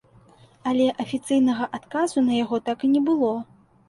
Але, афіцыйнага адказу на яго так і не было.